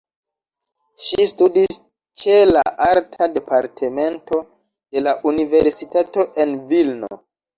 Ŝi studis ĉe la Arta Departemento de la Universitato en Vilno.